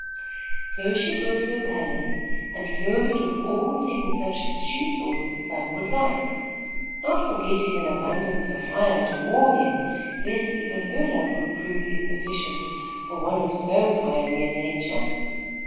So she built her palace and filled it with all things such as she thought the sun would like, not forgetting an abundance of fire to warm him, lest even her love would prove insufficient for one of so fiery a nature.